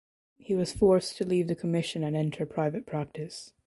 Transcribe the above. He was forced to leave the commission and enter private practice.